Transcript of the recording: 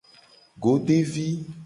Godevi.